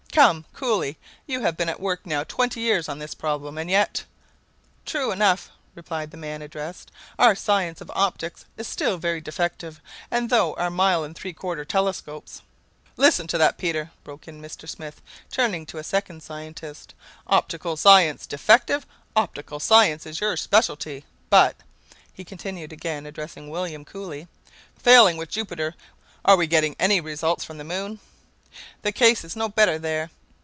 Come, Cooley, you have been at work now twenty years on this problem, and yet " "True enough," replied the man addressed. "Our science of optics is still very defective, and through our mile and three quarter telescopes " "Listen to that, Peer," broke in Mr. Smith, turning to a second scientist. "Optical science defective! Optical science is your specialty. But," he continued, again addressing William Cooley, "failing with Jupiter, are we getting any results from the moon?" "The case is no better there."